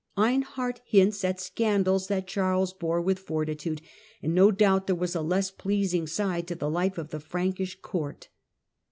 Einhard hints at scandals that Charles bore with forti tude ; and no doubt there was a less pleasing side to the life of the Frankish Court.